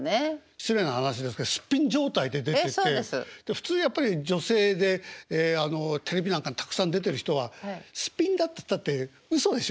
失礼な話ですけどスッピン状態で出てて普通やっぱり女性でテレビなんかにたくさん出てる人はスッピンだっつったってうそでしょ。